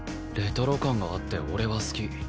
レトロ感があって俺は好き。